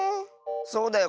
そうだよ